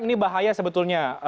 ini bahaya sebetulnya